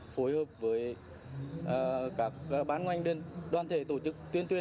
với nhiều hình thức thiết kế